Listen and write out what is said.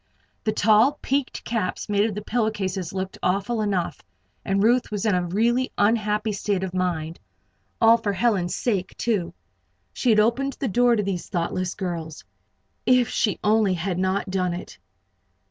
The tall, peaked caps made of the pillow cases looked awful enough, and Ruth was in a really unhappy state of mind. All for Helen's sake, too. She had opened the door to these thoughtless girls. If she only had not done it!